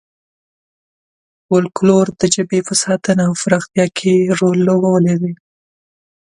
فولکلور د ژبې په ساتنه او پراختیا کې رول لوبولی دی.